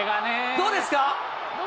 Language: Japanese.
どうですか？